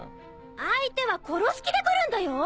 相手は殺す気で来るんだよ？